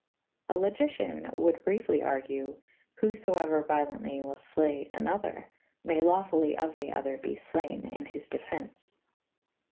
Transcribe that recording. \ A logician wolde bryefly argue / who fo euer violently wyll ilee an other / may lawfully of the other be flayne in his defence.